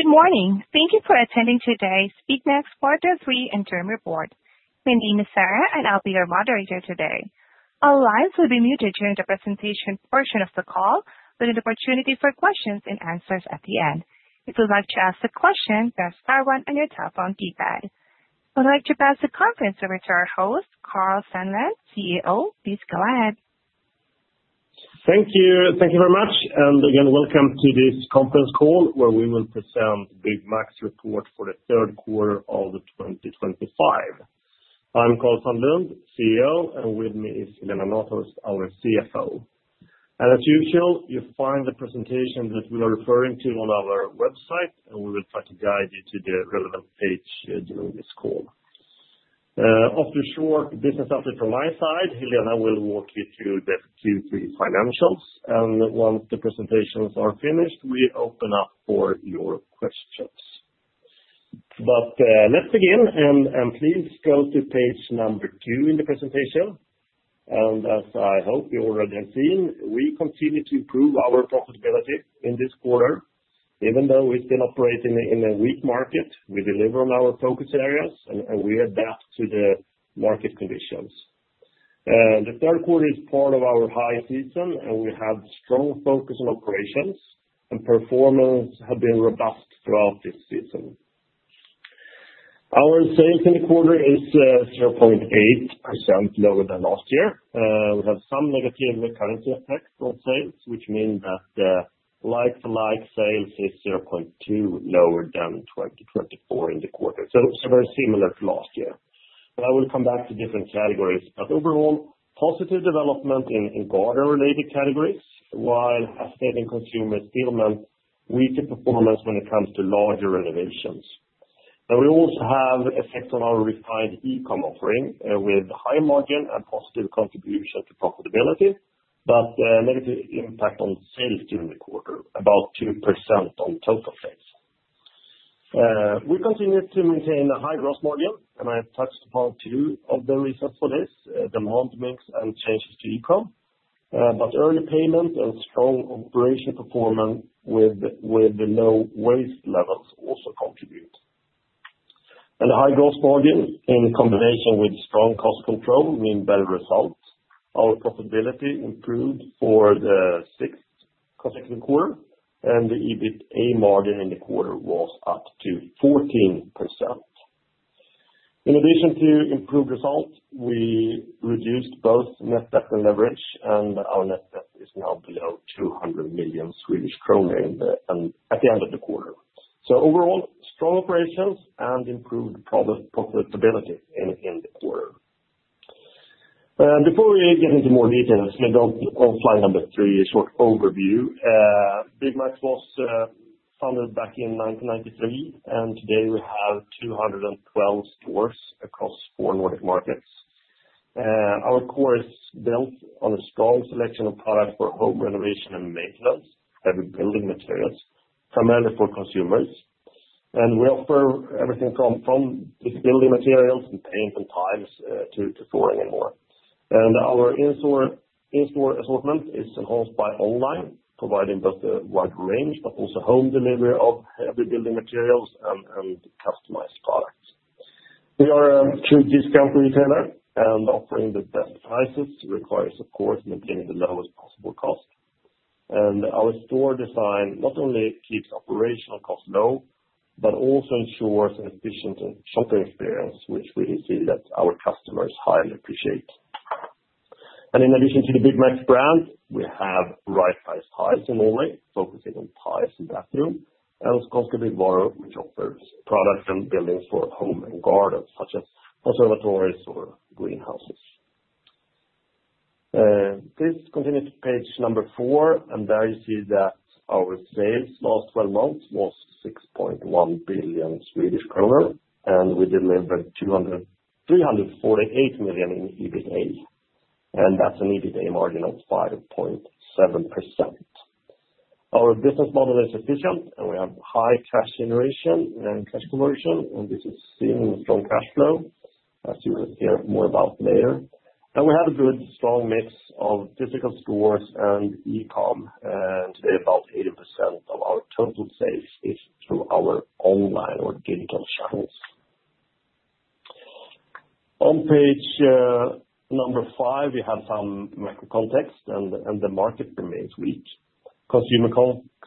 Good morning. Thank you for attending today's Byggmax Quarter 3 Interim Report. My name is Sarah, and I'll be your moderator today. All lines will be muted during the presentation portion of the call, with an opportunity for questions and answers at the end. If you'd like to ask a question, press star one on your telephone keypad. I'd like to pass the conference over to our host, Karl Sandlund, CEO. Please go ahead. Thank you. Thank you very much. And again, welcome to this conference call where we will present the Byggmax Report for the third quarter of 2025. I'm Karl Sandlund, CEO, and with me is Helena Nathhorst, our CFO. And as usual, you find the presentation that we are referring to on our website, and we will try to guide you to the relevant page during this call. After a short business update from my side, Helena will walk you through the Q3 financials. And once the presentations are finished, we open up for your questions. But let's begin. And please go to page number two in the presentation. And as I hope you already have seen, we continue to improve our profitability in this quarter. Even though we've been operating in a weak market, we deliver on our focus areas, and we adapt to the market conditions. The third quarter is part of our high season, and we have strong focus on operations, and performance has been robust throughout this season. Our sales in the quarter is 0.8% lower than last year. We have some negative currency effect on sales, which means that like-for-like sales is 0.2% lower than 2024 in the quarter, so very similar to last year, but I will come back to different categories, but overall, positive development in weather-related categories, while estimating consumer sentiment weaker performance when it comes to larger renovations, and we also have effects on our refined e-comm offering with high margin and positive contribution to profitability, but negative impact on sales during the quarter, about 2% on total sales. We continue to maintain a high gross margin, and I touched upon two of the reasons for this: demand mix and changes to e-comm. But early payment and strong operational performance with low waste levels also contribute. And the high gross margin in combination with strong cost control means better results. Our profitability improved for the sixth consecutive quarter, and the EBITA margin in the quarter was up to 14%. In addition to improved results, we reduced both net debt and leverage, and our net debt is now below 200 million Swedish kronor at the end of the quarter. So overall, strong operations and improved profitability in the quarter. Before we get into more details, let me give a short overview. Byggmax was founded back in 1993, and today we have 212 stores across four Nordic markets. Our core is built on a strong selection of products for home renovation and maintenance, heavy building materials, primarily for consumers. And we offer everything from building materials and paint and tiles to flooring and more. And our in-store assortment is enhanced by online, providing both a wide range but also home delivery of heavy building materials and customized products. We are a true discount retailer and offering the best prices requires, of course, maintaining the lowest possible cost. And our store design not only keeps operational costs low but also ensures an efficient shopping experience, which we see that our customers highly appreciate. And in addition to the Byggmax brand, we have Right Price Tiles in Norway, focusing on tiles and bathrooms, and Skånska Byggvaror, which offers products and buildings for home and gardens, such as conservatories or greenhouses. Please continue to page number four, and there you see that our sales last 12 months was 6.1 billion Swedish kronor, and we delivered 348 million in EBITA. That's an EBITA margin of 5.7%. Our business model is efficient, and we have high cash generation and cash conversion, and this is seen in strong cash flow, as you will hear more about later. We have a good, strong mix of physical stores and e-comm, and today about 80% of our total sales is through our online or digital channels. On page number five, we have some macro context, and the market remains weak. Consumer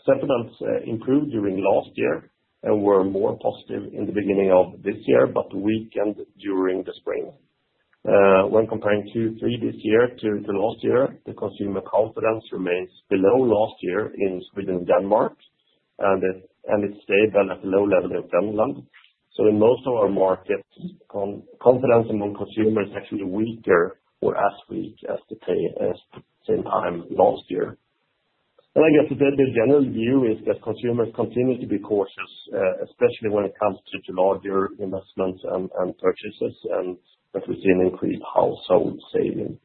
confidence improved during last year and were more positive in the beginning of this year, but weakened during the spring. When comparing Q3 this year to last year, the consumer confidence remains below last year in Sweden and Denmark, and it's stable at a low level in Finland. In most of our markets, confidence among consumers is actually weaker or as weak as the same time last year. I guess the general view is that consumers continue to be cautious, especially when it comes to larger investments and purchases, and that we've seen increased household saving.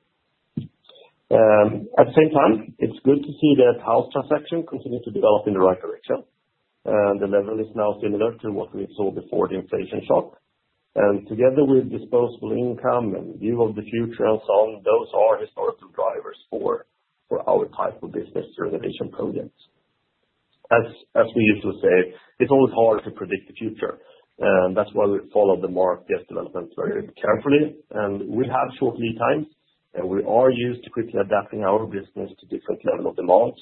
At the same time, it's good to see that house transactions continue to develop in the right direction. The level is now similar to what we saw before the inflation shock. Together with disposable income and view of the future and so on, those are historical drivers for our type of business renovation projects. As we used to say, it's always hard to predict the future. That's why we follow the market developments very carefully. We have short lead times, and we are used to quickly adapting our business to different levels of demand,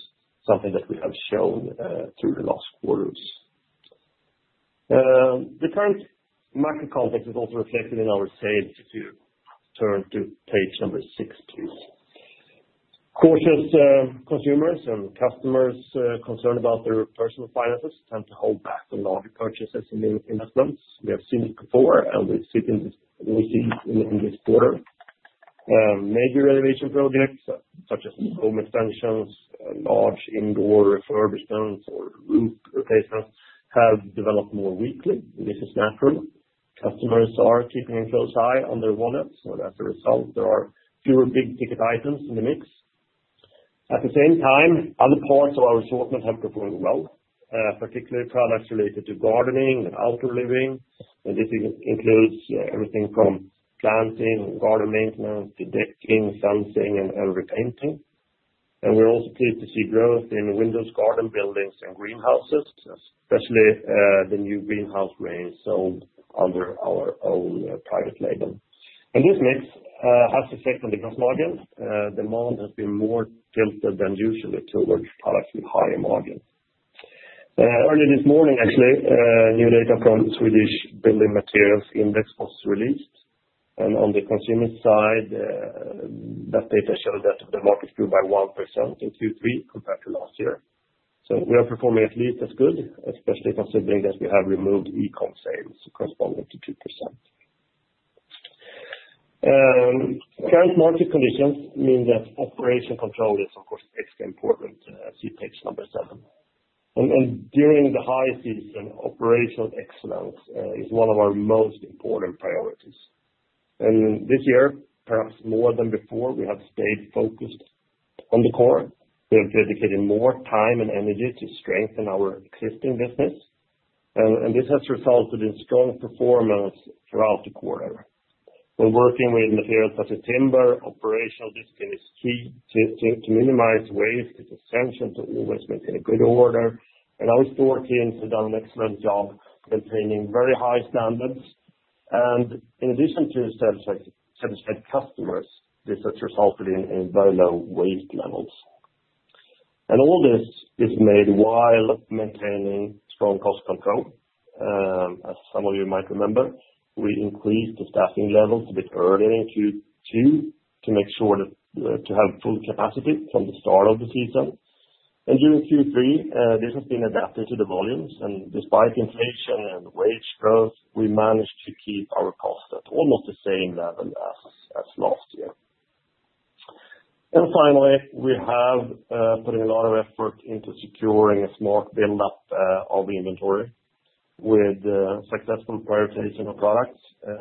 something that we have shown through the last quarters. The current market context is also reflected in our sales. If you turn to page number six, please. Cautious consumers and customers concerned about their personal finances tend to hold back on larger purchases and investments. We have seen it before, and we see it in this quarter. Major renovation projects, such as home extensions, large indoor refurbishments or roof replacements, have developed more weakly. This is natural. Customers are keeping a close eye on their wallet, so that as a result, there are fewer big-ticket items in the mix. At the same time, other parts of our assortment have performed well, particularly products related to gardening and outdoor living, and this includes everything from planting and garden maintenance to decking, fencing, and repainting, and we're also pleased to see growth in windows, garden buildings, and greenhouses, especially the new greenhouse range sold under our own private label, and this mix has affected the gross margin. Demand has been more tilted than usual towards products with higher margin. Earlier this morning, actually, new data from the Swedish Building Materials Index was released, and on the consumer side, that data showed that the market grew by 1% in Q3 compared to last year, so we are performing at least as good, especially considering that we have removed e-comm sales corresponding to 2%. Current market conditions mean that operation control is, of course, extra important, as you see page number seven, and during the high season, operational excellence is one of our most important priorities, and this year, perhaps more than before, we have stayed focused on the core. We have dedicated more time and energy to strengthen our existing business, and this has resulted in strong performance throughout the quarter. When working with materials such as timber, operational discipline is key. To minimize waste, it's essential to always maintain a good order, and our store teams have done an excellent job maintaining very high standards, and in addition to satisfied customers, this has resulted in very low waste levels, and all this is made while maintaining strong cost control. As some of you might remember, we increased the staffing levels a bit earlier in Q2 to make sure to have full capacity from the start of the season, and during Q3, this has been adapted to the volumes, and despite inflation and wage growth, we managed to keep our costs at almost the same level as last year, and finally, we have put in a lot of effort into securing a smart build-up of inventory. With successful prioritization of products,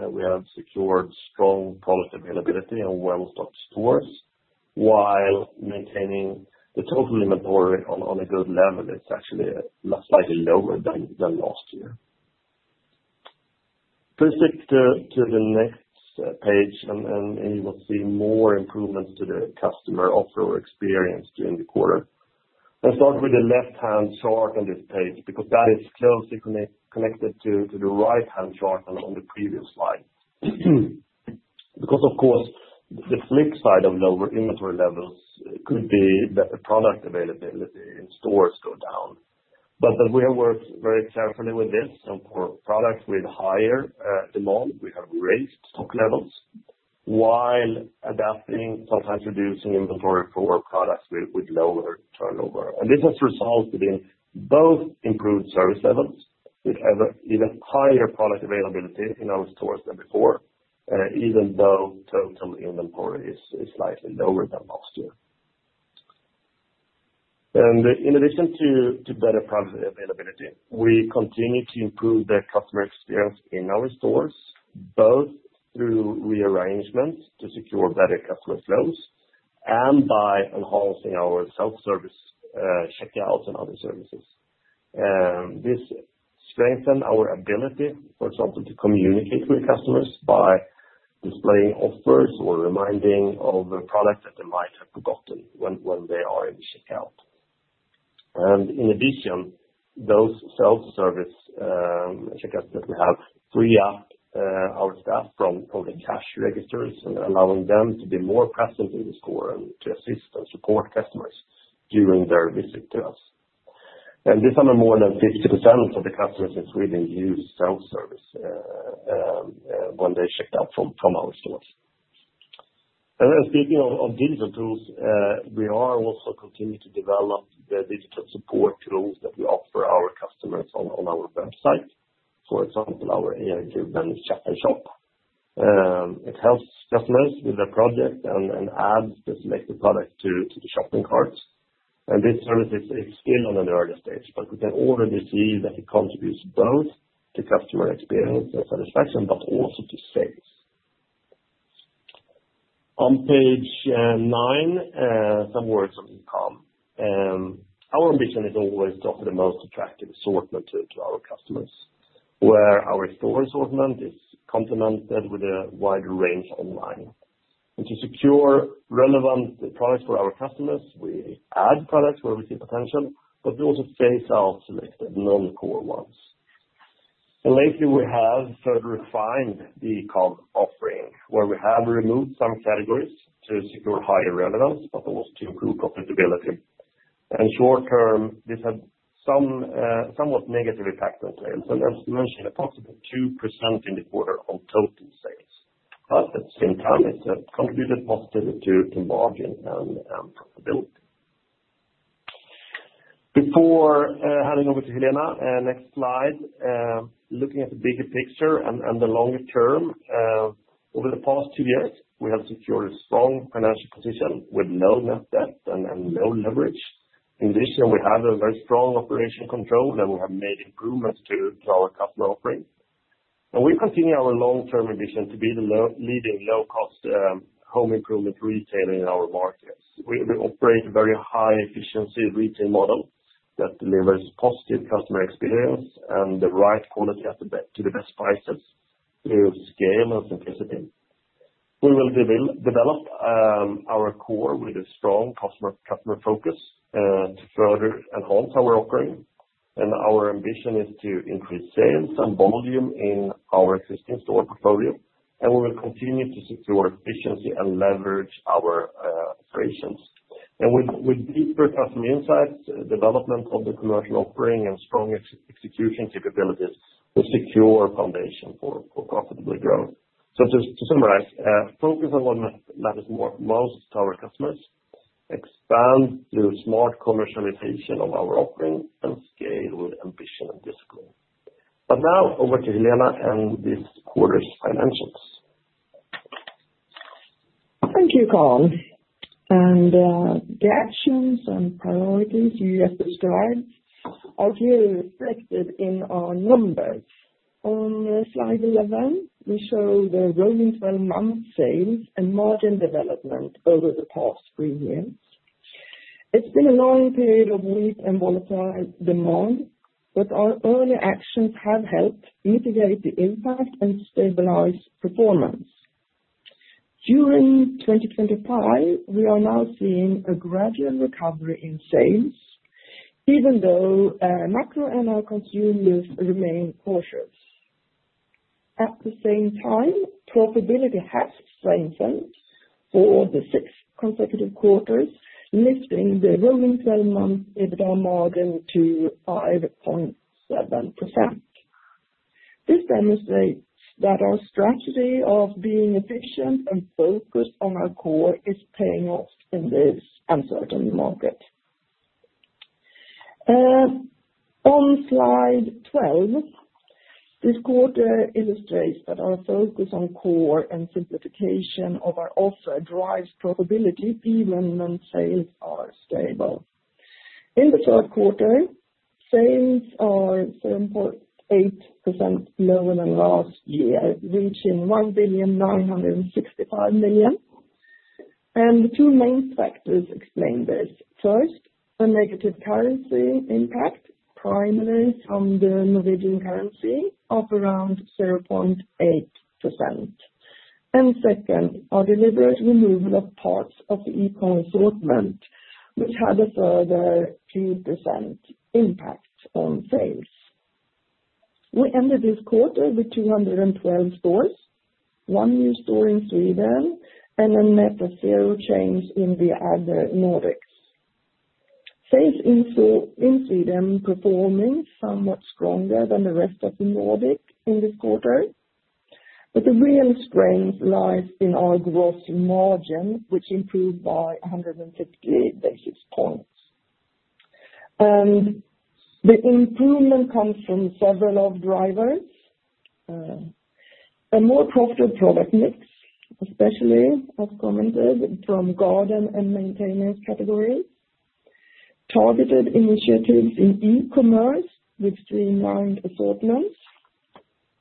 we have secured strong product availability and well-stocked stores. While maintaining the total inventory on a good level, it's actually slightly lower than last year. Please stick to the next page, and you will see more improvements to the customer offer or experience during the quarter. Let's start with the left-hand chart on this page because that is closely connected to the right-hand chart on the previous slide. Because, of course, the flip side of lower inventory levels could be that the product availability in stores goes down. But we have worked very carefully with this, and for products with higher demand, we have raised stock levels while adapting, sometimes reducing inventory for products with lower turnover, and this has resulted in both improved service levels with even higher product availability in our stores than before, even though total inventory is slightly lower than last year. And in addition to better product availability, we continue to improve the customer experience in our stores, both through rearrangements to secure better customer flows and by enhancing our self-service checkouts and other services. This strengthens our ability, for example, to communicate with customers by displaying offers or reminding of products that they might have forgotten when they are in the checkout. And in addition, those self-service checkouts that we have free up our staff from the cash registers, allowing them to be more present in the store and to assist and support customers during their visit to us. And this is more than 50% of the customers in Sweden use self-service when they check out from our stores. And then speaking of digital tools, we are also continuing to develop the digital support tools that we offer our customers on our website, for example, our AI-driven Snap & Shop. It helps customers with their project and adds the selected product to the shopping cart. And this service is still on an early stage, but we can already see that it contributes both to customer experience and satisfaction, but also to sales. On page nine, some words on e-comm. Our ambition is always to offer the most attractive assortment to our customers, where our store assortment is complemented with a wider range online. And to secure relevant products for our customers, we add products where we see potential, but we also phase out selected non-core ones. And lately, we have further refined the e-comm offering, where we have removed some categories to secure higher relevance, but also to improve profitability. And short term, this had somewhat negative impact on sales. And as we mentioned, approximately 2% in the quarter on total sales. But at the same time, it contributed positively to margin and profitability. Before handing over to Helena, next slide. Looking at the bigger picture and the longer term, over the past two years, we have secured a strong financial position with low net debt and low leverage. In addition, we have a very strong operational control, and we have made improvements to our customer offering, and we continue our long-term ambition to be the leading low-cost home improvement retailer in our markets. We operate a very high-efficiency retail model that delivers positive customer experience and the right quality to the best prices through scale and simplicity. We will develop our core with a strong customer focus to further enhance our offering, and our ambition is to increase sales and volume in our existing store portfolio, and we will continue to secure efficiency and leverage our operations. With deeper customer insights, development of the commercial offering, and strong execution capabilities, we secure a foundation for profitable growth. To summarize, focus on what matters most to our customers, expand through smart commercialization of our offering, and scale with ambition and discipline. Now over to Helena and this quarter's financials. Thank you, Karl. The actions and priorities you have described are clearly reflected in our numbers. On slide 11, we show the rolling 12-month sales and margin development over the past three years. It's been a long period of weak and volatile demand, but our early actions have helped mitigate the impact and stabilize performance. During 2025, we are now seeing a gradual recovery in sales, even though macro and our consumers remain cautious. At the same time, profitability has strengthened for the sixth consecutive quarters, lifting the rolling 12-month EBITA margin to 5.7%. This demonstrates that our strategy of being efficient and focused on our core is paying off in this uncertain market. On slide 12, this quarter illustrates that our focus on core and simplification of our offer drives profitability even when sales are stable. In the third quarter, sales are 7.8% lower than last year, reaching 1,965,000,000, and two main factors explain this. First, the negative currency impact, primarily from the Norwegian currency, of around 0.8%, and second, our deliberate removal of parts of the e-comm assortment, which had a further 2% impact on sales. We ended this quarter with 212 stores, one new store in Sweden, and a net of zero chains in the other Nordics, sales in Sweden performing somewhat stronger than the rest of the Nordics in this quarter, but the real strength lies in our gross margin, which improved by 150 basis points. And the improvement comes from several drivers: a more profitable product mix, especially, as commented, from garden and maintenance categories, targeted initiatives in e-commerce with streamlined assortments,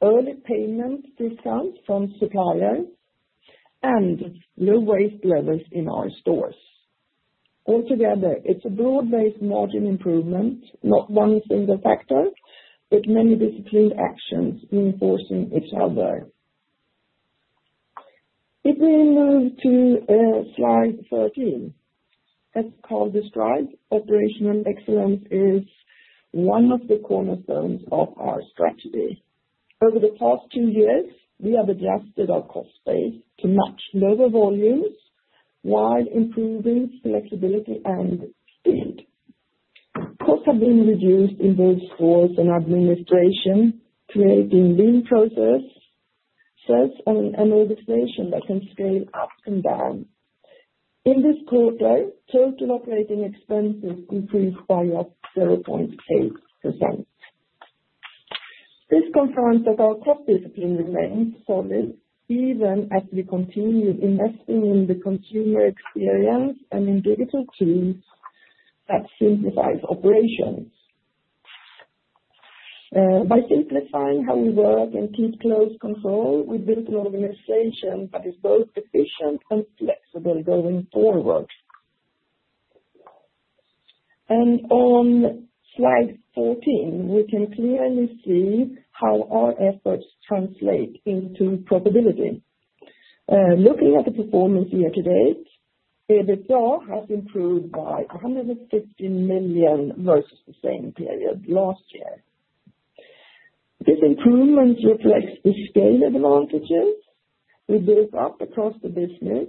early payment discounts from suppliers, and low waste levels in our stores. Altogether, it's a broad-based margin improvement, not one single factor, but many disciplined actions reinforcing each other. If we move to slide 13, as Karl described, operational excellence is one of the cornerstones of our strategy. Over the past two years, we have adjusted our cost base to match lower volumes while improving flexibility and speed. Costs have been reduced in both stores and administration, creating lean processes and an organization that can scale up and down. In this quarter, total operating expenses increased by 0.8%. This confirms that our core discipline remains solid even as we continue investing in the consumer experience and in digital tools that simplify operations. By simplifying how we work and keep close control, we build an organization that is both efficient and flexible going forward. And on `slide 14, we can clearly see how our efforts translate into profitability. Looking at the performance year to date, EBITA has improved by 150 million versus the same period last year. This improvement reflects the scale advantages we built up across the business.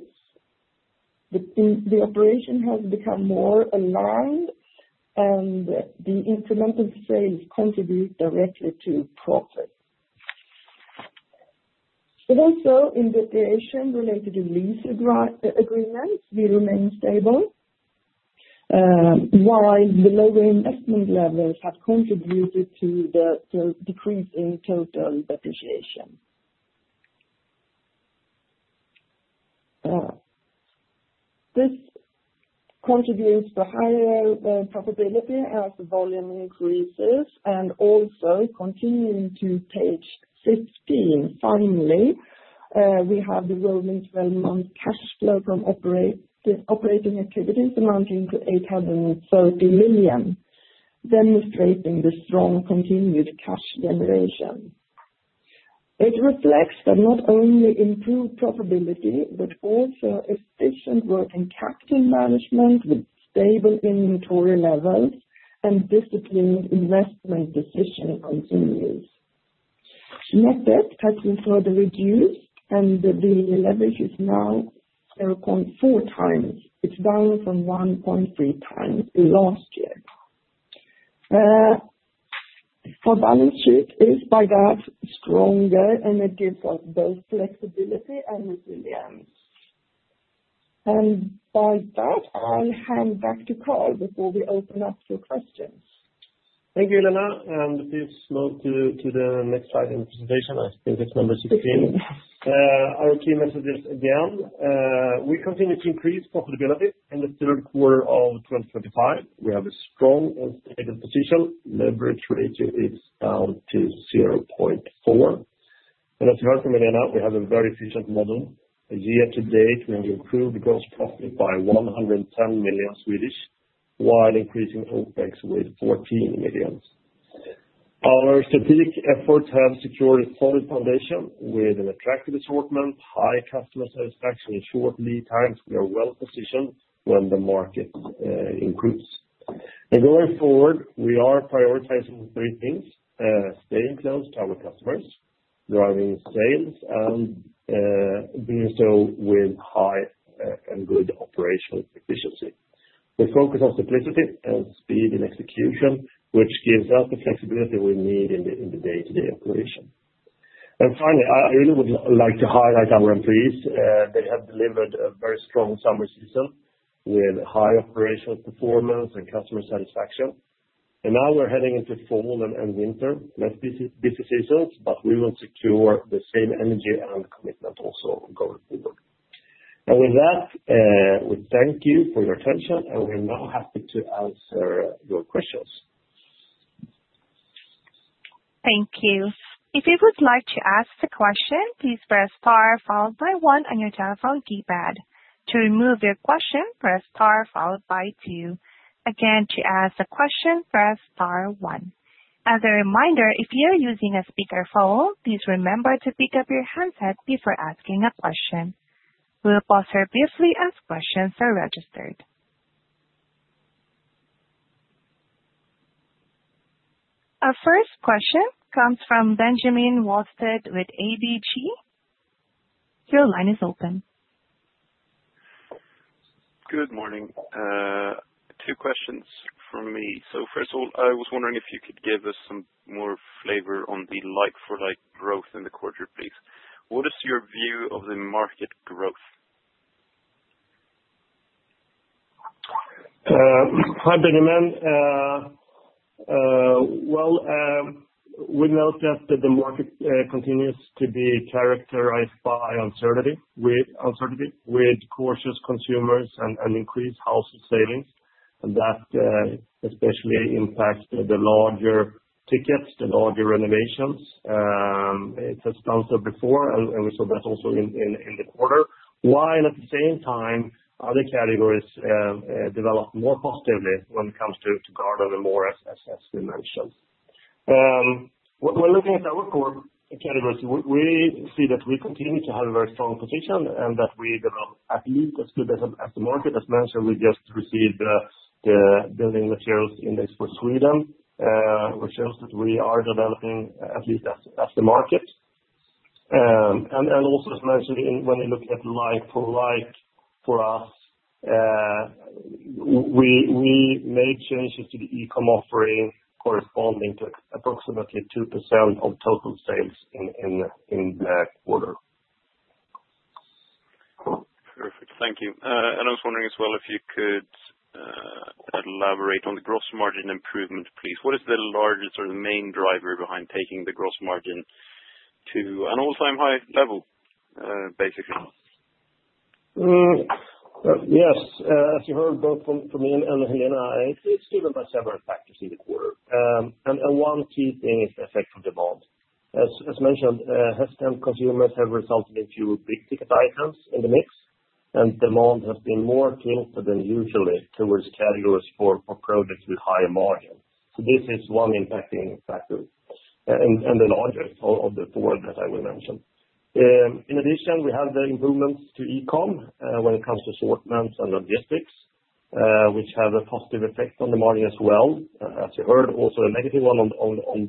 The operation has become more aligned, and the incremental sales contribute directly to profit. But also, in depreciation related to lease agreements, we remain stable, while the lower investment levels have contributed to the decrease in total depreciation. This contributes to higher profitability as the volume increases and also continuing to page 15. Finally, we have the rolling 12-month cash flow from operating activities amounting to 830 million demonstrating the strong continued cash generation. It reflects that not only improved profitability, but also efficient working capital management with stable inventory levels and disciplined investment decision continues. Net debt has been further reduced, and the leverage is now 0.4 times. It's down from 1.3 times last year. Our balance sheet is, by that, stronger, and it gives us both flexibility and resilience. And by that, I'll hand back to Karl before we open up for questions. Thank you, Helena. And please move to the next slide in the presentation. I think it's number 16. Our key messages again. We continue to increase profitability in the third quarter of 2025. We have a strong and stable position. Leverage ratio is down to 0.4. And as you heard from Helena, we have a very efficient model. Year to date, we have improved gross profit by 110 million, while increasing OpEx with 14 million. Our strategic efforts have secured a solid foundation with an attractive assortment, high customer satisfaction, and short lead times. We are well positioned when the market improves and going forward, we are prioritizing three things: staying close to our customers, driving sales, and doing so with high and good operational efficiency. We focus on simplicity and speed in execution, which gives us the flexibility we need in the day-to-day operation and finally, I really would like to highlight our employees. They have delivered a very strong summer season with high operational performance and customer satisfaction and now we're heading into fall and winter, less busy seasons, but we will secure the same energy and commitment also going forward and with that, we thank you for your attention, and we're now happy to answer your questions. Thank you. If you would like to ask a question, please press star followed by one on your telephone keypad. To remove your question, press star followed by two. Again, to ask a question, press star one. As a reminder, if you're using a speakerphone, please remember to pick up your handset before asking a question. We'll pause here briefly as questions are registered. Our first question comes from Benjamin Wahlstedt with ABG. Your line is open. Good morning. Two questions from me. So first of all, I was wondering if you could give us some more flavor on the like-for-like growth in the quarter, please. What is your view of the market growth? Hi, Benjamin. Well, we know that the market continues to be characterized by uncertainty with cautious consumers and increased household savings, and that especially impacts the larger tickets, the larger renovations. It has bounced up before, and we saw that also in the quarter, while at the same time, other categories developed more positively when it comes to garden and more, as we mentioned. When looking at our core categories, we see that we continue to have a very strong position and that we develop at least as good as the market. As mentioned, we just received the Building Materials Index for Sweden, which shows that we are developing at least as the market. And also, as mentioned, when you look at like-for-like for us, we made changes to the e-comm offering corresponding to approximately 2% of total sales in that quarter. Perfect. Thank you, and I was wondering as well if you could elaborate on the gross margin improvement, please. What is the largest or the main driver behind taking the gross margin to an all-time high level, basically? Yes. As you heard both from me and Helena, it's driven by several factors in the quarter, and one key thing is the effect of demand. As mentioned, consumers have resulted in fewer big-ticket items in the mix, and demand has been more tilted than usually towards categories for products with higher margin, so this is one impacting factor in the larger of the four that I will mention. In addition, we have the improvements to e-comm when it comes to assortments and logistics, which have a positive effect on the margin as well. As you heard, also a negative one on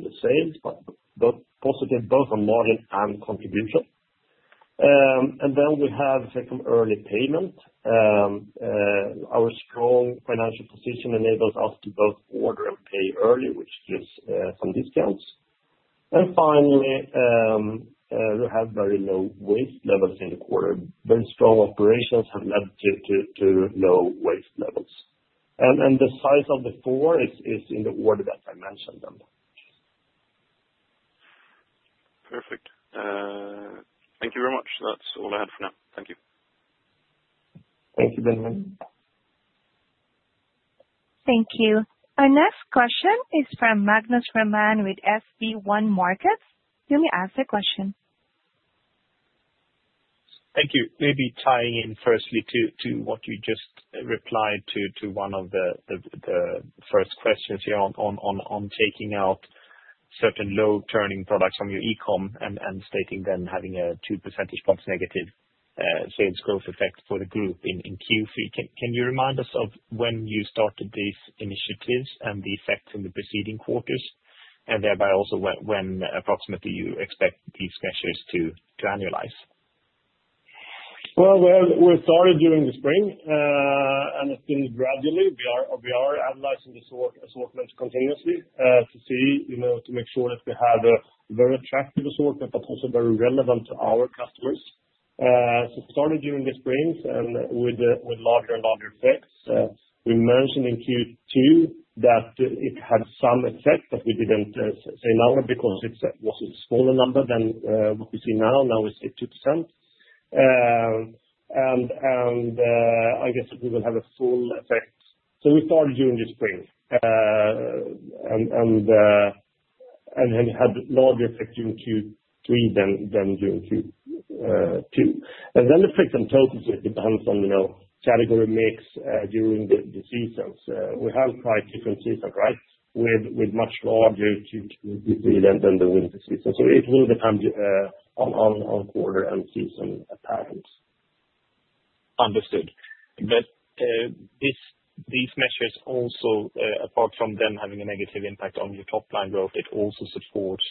the sales, but positive both on margin and contribution, and then we have effect on early payment. Our strong financial position enables us to both order and pay early, which gives some discounts, and finally, we have very low waste levels in the quarter. Very strong operations have led to low waste levels. And the size of the four is in the order that I mentioned them. Perfect. Thank you very much. That's all I had for now. Thank you. Thank you, Benjamin. Thank you. Our next question is from Magnus Råman with SB1 Markets. You may ask the question. Thank you. Maybe tying in firstly to what you just replied to one of the first questions here on taking out certain low-turning products from your e-comm and stating then having a 2% response negative sales growth effect for the group in Q3. Can you remind us of when you started these initiatives and the effects in the preceding quarters, and thereby also when approximately you expect these measures to annualize? Well, we started during the spring, and it's been gradually. We are annualizing the assortments continuously to make sure that we have a very attractive assortment, but also very relevant to our customers. So started during the spring and with larger and larger effects. We mentioned in Q2 that it had some effect, but we didn't say number because it was a smaller number than what we see now. Now we see 2%. And I guess that we will have a full effect. So we started during the spring and had larger effect during Q3 than during Q2. And then the effect on total sales depends on category mix during the seasons. We have quite different seasons, right, with much larger Q2 than the winter season. So it will depend on quarter and season patterns. Understood. But these measures also, apart from them having a negative impact on your top-line growth, it also supports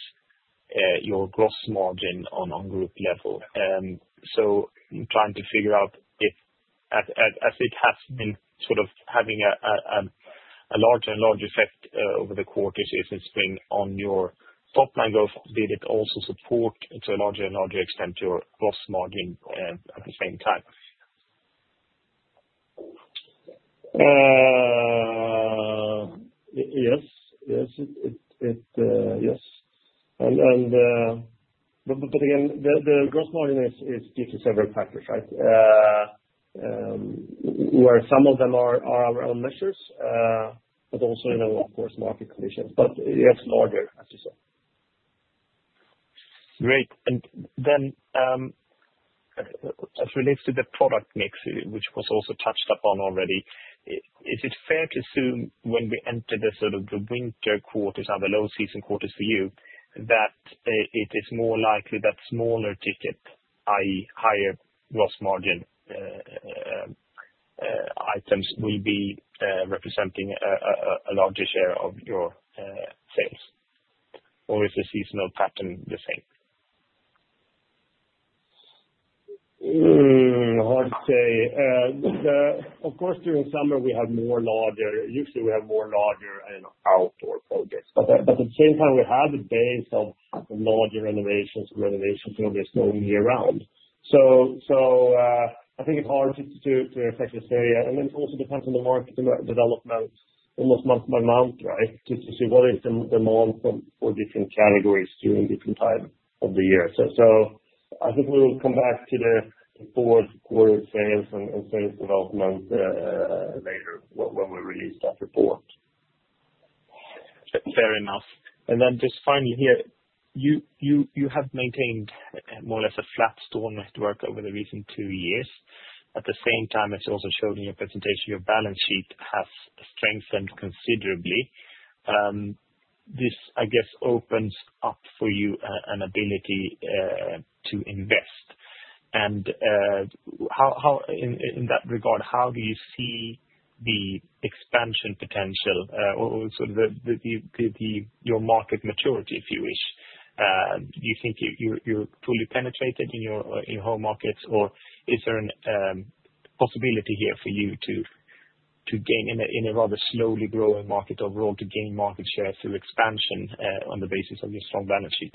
your gross margin on group level. So I'm trying to figure out if, as it has been sort of having a larger and larger effect over the quarters in the spring on your top-line growth, did it also support to a larger and larger extent your gross margin at the same time? Yes. Yes. Yes. But again, the gross margin is due to several factors, right, where some of them are our own measures, but also, of course, market conditions. But it's larger, as you said. Great. And then as relates to the product mix, which was also touched upon already, is it fair to assume when we enter the sort of the winter quarters, our low-season quarters for you, that it is more likely that smaller ticket, i.e., higher gross margin items will be representing a larger share of your sales? Or is the seasonal pattern the same? Hard to say. Of course, during summer, we have more larger outdoor projects. But at the same time, we have a base of larger renovations and renovation programs going year-round. So I think it's hard to effectively say. And it also depends on the market development almost month by month, right, to see what is the demand for different categories during different times of the year. So I think we will come back to the fourth quarter sales and sales development later when we release that report. Fair enough. And then just finally here, you have maintained more or less a flat store network over the recent two years. At the same time, as you also showed in your presentation, your balance sheet has strengthened considerably. This, I guess, opens up for you an ability to invest. And in that regard, how do you see the expansion potential or sort of your market maturity, if you wish? Do you think you're fully penetrated in your home markets, or is there a possibility here for you to gain in a rather slowly growing market overall to gain market share through expansion on the basis of your strong balance sheet?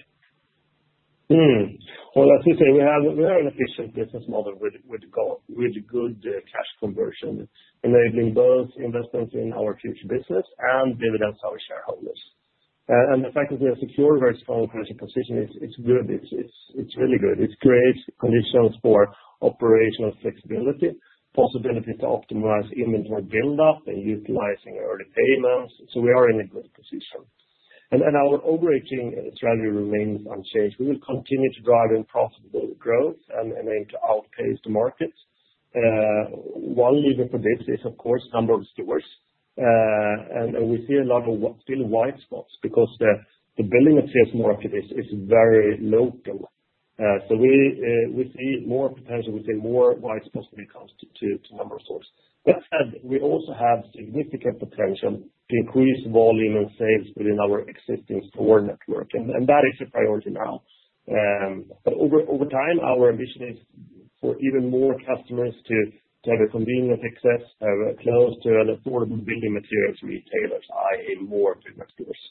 Well, as we say, we have an efficient business model with good cash conversion, enabling both investments in our future business and dividends to our shareholders. And the fact that we have secured a very strong financial position, it's good. It's really good. It's great conditions for operational flexibility, possibility to optimize inventory build-up and utilizing early payments. So we are in a good position. And our overarching strategy remains unchanged. We will continue to drive in profitable growth and aim to outpace the markets. One reason for this is, of course, number of stores. And we see a lot of still white spots because the building and sales market is very local. So we see more potential. We see more white spots when it comes to number of stores. But we also have significant potential to increase volume and sales within our existing store network. And that is a priority now. But over time, our ambition is for even more customers to have a convenient access, have close to an affordable building material to retailers, i.e., more building stores.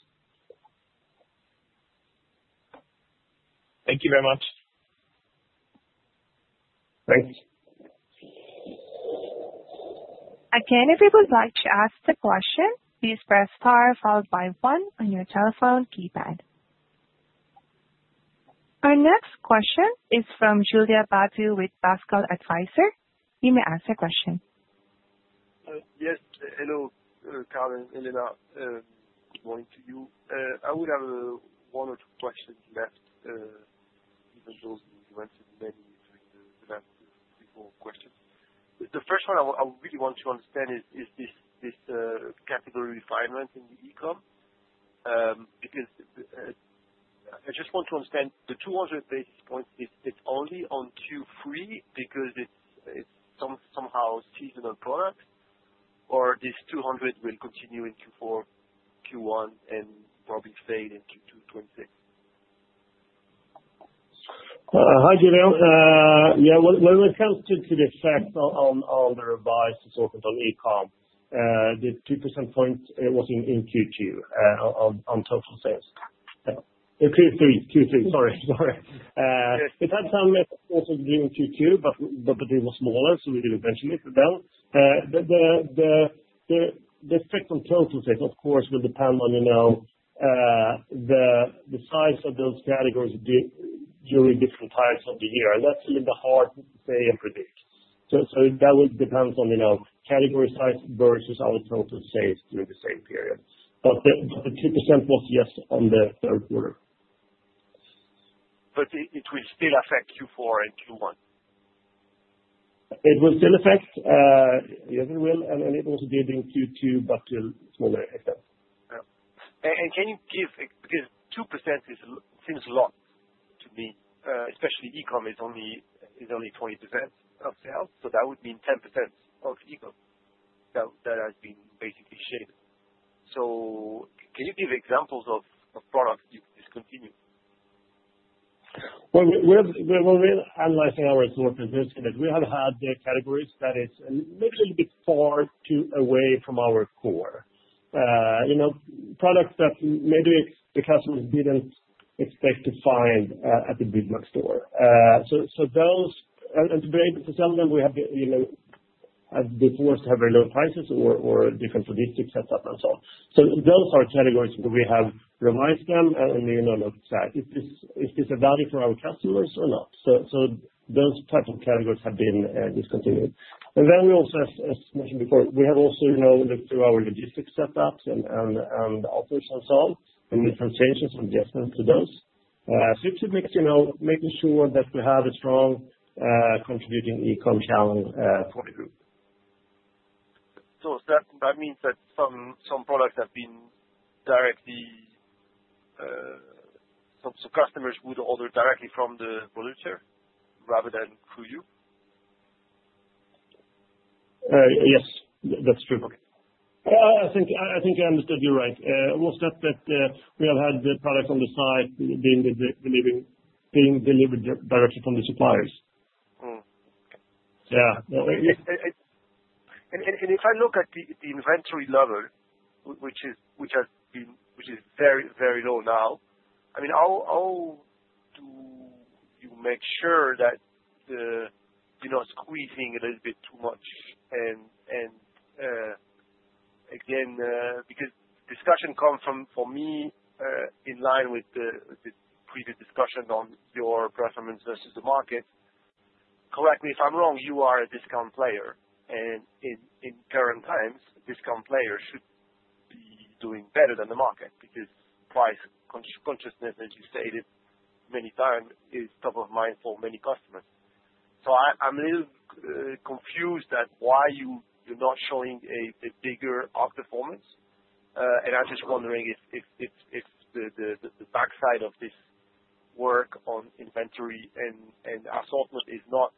Thank you very much. Thanks. Again, if you would like to ask the question, please press star followed by one on your telephone keypad. Our next question is from Julien Batteau with Pascal Advisers. You may ask the question. Yes. Hello, Karl, Helena, good morning to you. I would have one or two questions left, even though you answered many during the last few questions. The first one I really want to understand is this category refinement in the e-comm because I just want to understand the 200 basis points, it's only on Q3 because it's somehow seasonal product, or this 200 will continue in Q4, Q1, and probably fade into Q2026? Hi, Julien. Yeah. When it comes to the effect on the revised assortment on e-comm, the 2% points was in Q2 on total sales. In Q3. Q3. Sorry. Sorry. It had some effect also during Q2, but it was smaller, so we didn't mention it then. The effect on total sales, of course, will depend on the size of those categories during different times of the year, and that's a little bit hard to say and predict. So that will depend on category size versus our total sales during the same period. But the 2% was just on the third quarter. But it will still affect Q4 and Q1? It will still affect. Yes, it will. And it was during Q2, but to a smaller extent. And can you give because 2% seems a lot to me, especially e-comm is only 20% of sales. So that would mean 10% of e-comm that has been basically shaved. So can you give examples of products you could discontinue? Well, we're analyzing our assortment this year. We have had categories that is maybe a little bit far away from our core. Products that maybe the customers didn't expect to find at the big-box store. And to be able to sell them, we have been forced to have very low prices or different logistics setup and so on. So those are categories that we have reviewed them. And you know that's sad. Is this of value for our customers or not? So those types of categories have been discontinued. And then we also, as mentioned before, we have also looked through our logistics setups and offers and so on, and made some changes from the SM to those. So it's making sure that we have a strong contributing e-comm channel for the group. So that means that some products have been directly so customers would order directly from the vendor rather than through you? Yes. That's true. I think I understood you right. It was just that we have had the products on the site being delivered directly from the suppliers. Yeah. If I look at the inventory level, which has been very, very low now, I mean, how do you make sure that you're not squeezing a little bit too much? Again, because discussion comes from for me, in line with the previous discussion on your performance versus the market, correct me if I'm wrong, you are a discount player. In current times, discount players should be doing better than the market because price consciousness, as you stated many times, is top of mind for many customers. I'm a little confused at why you're not showing a bigger outperformance. I'm just wondering if the backside of this work on inventory and assortment is not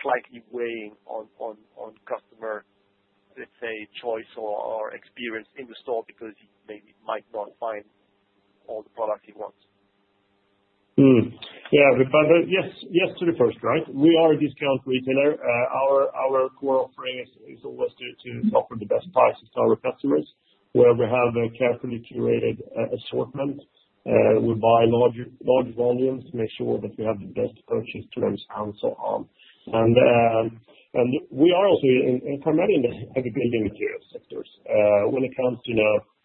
slightly weighing on customer, let's say, choice or experience in the store because he maybe might not find all the products he wants. Yeah. Yes to the first, right? We are a discount retailer. Our core offering is always to offer the best prices to our customers, where we have a carefully curated assortment. We buy large volumes to make sure that we have the best purchase terms and so on, and we are also primarily in the heavy building materials sectors. When it comes to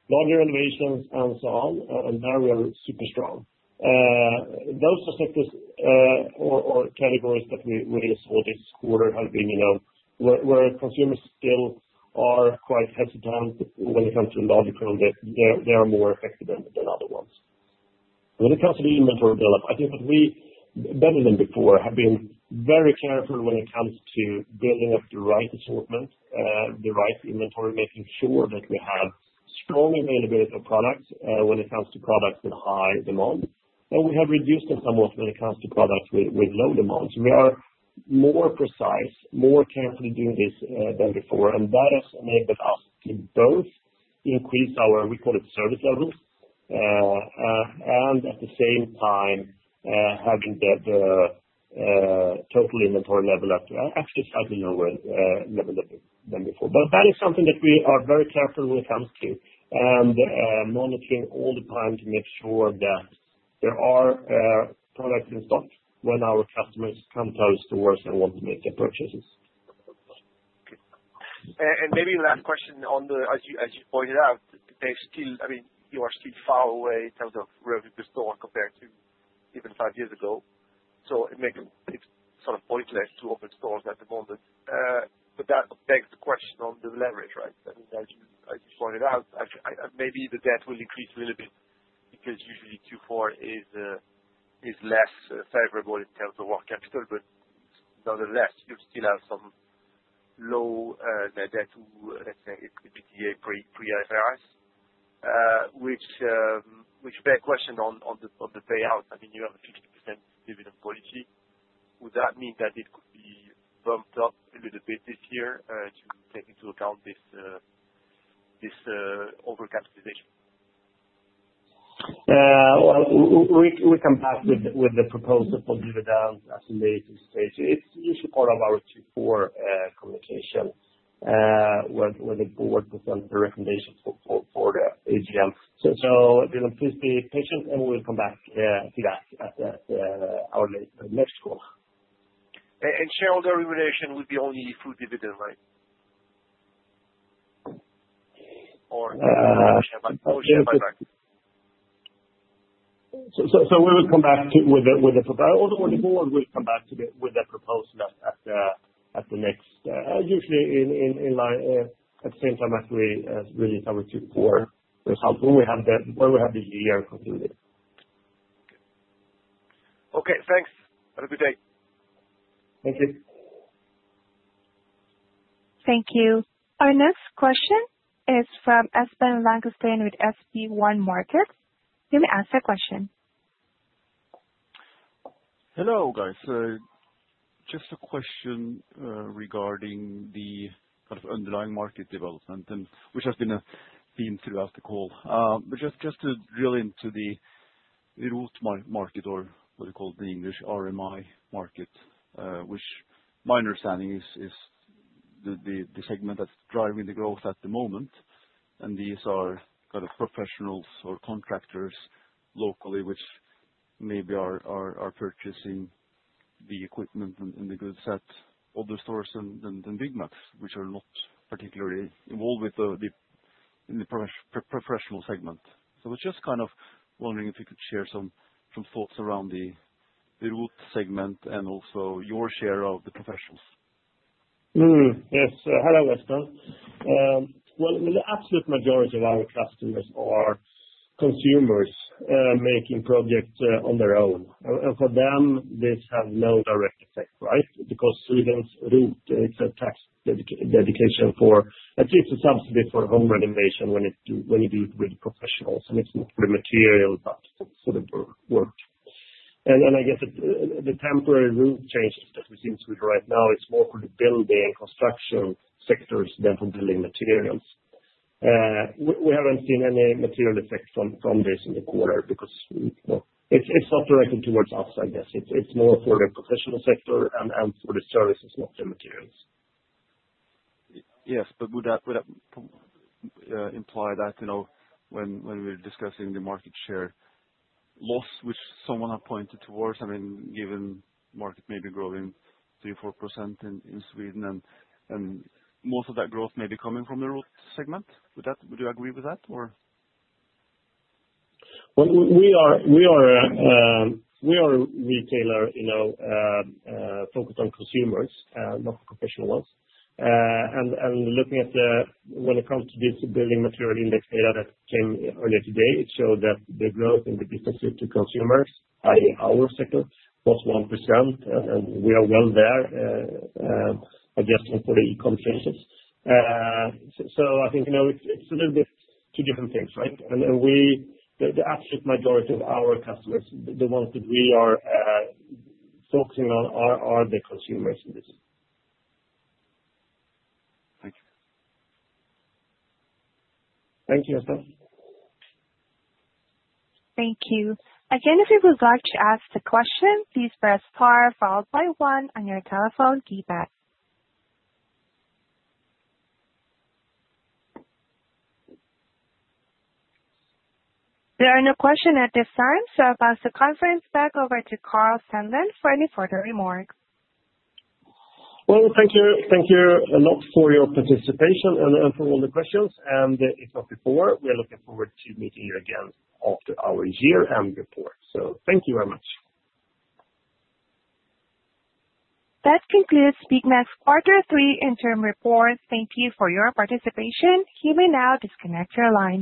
larger renovations and so on, and there we are super strong. Those are sectors or categories that we really saw this quarter have been where consumers still are quite hesitant when it comes to larger products. They are more effective than other ones. When it comes to the inventory build-up, I think that we, better than before, have been very careful when it comes to building up the right assortment, the right inventory, making sure that we have strong availability of products when it comes to products with high demand. And we have reduced them somewhat when it comes to products with low demand. So we are more precise, more carefully doing this than before. And that has enabled us to both increase our recorded service levels and, at the same time, having the total inventory level at actually slightly lower level than before. But that is something that we are very careful when it comes to and monitoring all the time to make sure that there are products in stock when our customers come to our stores and want to make their purchases. And maybe last question on the, as you pointed out, they're still, I mean, you are still far away in terms of revenue per store compared to even five years ago. So it makes it sort of pointless to open stores at the moment. But that begs the question on the leverage, right? I mean, as you pointed out, maybe the debt will increase a little bit because usually Q4 is less favorable in terms of working capital. But nonetheless, you still have some low debt to, let's say, EBITA pre-IFRS, which begs question on the payout. I mean, you have a 50% dividend policy. Would that mean that it could be bumped up a little bit this year to take into account this overcapitalization? Well, we come back with the proposal for dividends as in latest stage. It's usually part of our Q4 communication where the board presents the recommendations for the AGM. So please be patient, and we will come back to that at our next call. And shareholder remuneration would be only through dividend, right? Or share buyback? So we will come back with the proposal, or the board will come back with the proposal at the next, usually at the same time as we release our Q4 results, when we have the year completed. Okay. Thanks. Have a good day. Thank you. Thank you. Our next question is from Espen Langrusten with SB1 Markets. You may ask the question. Hello, guys. Just a question regarding the kind of underlying market development, which has been a theme throughout the call. But just to drill into the ROT market, or what we call the English RMI market, which my understanding is the segment that's driving the growth at the moment. And these are kind of professionals or contractors locally, which maybe are purchasing the equipment and the goods at other stores than Byggmax, which are not particularly involved in the professional segment. So I was just kind of wondering if you could share some thoughts around the ROT segment and also your share of the professionals. Yes. Hello, Espen. Well, the absolute majority of our customers are consumers making projects on their own. And for them, this has no direct effect, right? Because through the ROT, it's a tax deduction for at least a subsidy for home renovation when you do it with professionals. And it's not for the material, but for the work. And I guess the temporary ROT changes that we're seeing right now. It's more for the building and construction sectors than for building materials. We haven't seen any material effect from this in the quarter because it's not directed towards us, I guess. It's more for the professional sector and for the services, not the materials. Yes. But would that imply that when we're discussing the market share loss, which someone has pointed towards, I mean, given market maybe growing 3-4% in Sweden, and most of that growth may be coming from the ROT segment? Would you agree with that, or? Well, we are a retailer focused on consumers, not professional ones. And looking at when it comes to this building material index data that came earlier today, it showed that the growth in the businesses to consumers, i.e., our sector, was 1%. And we are well there, I guess, for the e-comm changes. So I think it's a little bit two different things, right? And the absolute majority of our customers, the ones that we are focusing on, are the consumers in this. Thank you. Thank you, Espen. Thank you. Again, if you would like to ask the question, please press star followed by one on your telephone keypad. There are no questions at this time, so I'll pass the conference back over to Karl Sandlund for any further remarks. Well, thank you a lot for your participation and for all the questions. And if not before, we are looking forward to meeting you again after our year-end report. So thank you very much. That concludes Byggmax Quarter 3 Interim Report. Thank you for your participation. You may now disconnect your line.